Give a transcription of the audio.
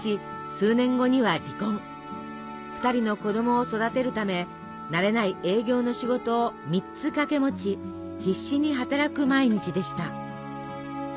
２人の子どもを育てるため慣れない営業の仕事を３つ掛け持ち必死に働く毎日でした。